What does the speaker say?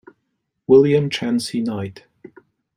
William Chancey Knight.